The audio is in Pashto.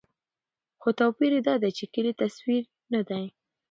خو توپير يې دا دى، چې کلي تصور نه دى